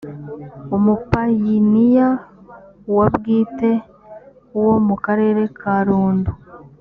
umupayiniya wa bwite wo mu karere ka rundu